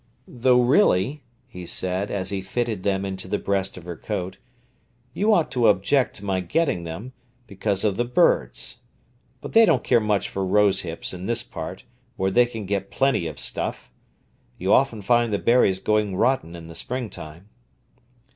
"Though, really," he said, as he fitted them into the breast of her coat, "you ought to object to my getting them, because of the birds. But they don't care much for rose hips in this part, where they can get plenty of stuff. You often find the berries going rotten in the springtime."